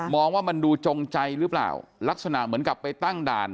ว่ามันดูจงใจหรือเปล่าลักษณะเหมือนกับไปตั้งด่าน